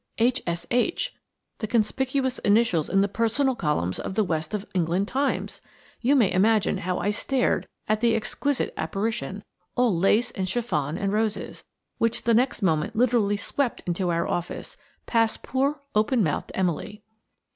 H. S. H.–the conspicuous initials in the "Personal" columns of the West of England Times! You may imagine how I stared at the exquisite apparition–all lace and chiffon and roses–which the next moment literally swept into our office, past poor, open mouthed Emily.